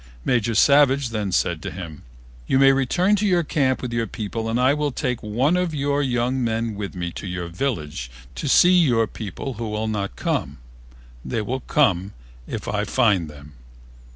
Major Savage then said to him, "You may return to camp with your people and I will take one of your young men with me to your village to see your people who will not come. They will come if I find them."